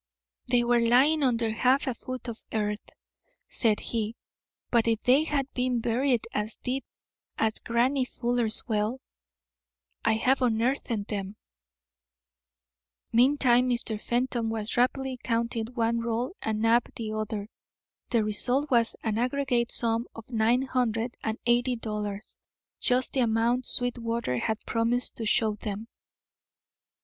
"They were lying under half a foot of earth," said he, "but if they had been buried as deep as Grannie Fuller's well, I'd have unearthed them." Meantime Mr. Fenton was rapidly counting one roll and Knapp the other. The result was an aggregate sum of nine hundred and eighty dollars, just the amount Sweetwater had promised to show them.